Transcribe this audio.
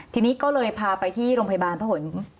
ทีนี้ก็เลยพาไปที่โรงพยาบาลพระหล